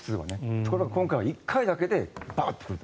ところが今回は１回だけでバーッと降ったと。